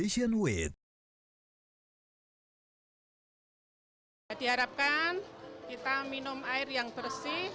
diharapkan kita minum air yang bersih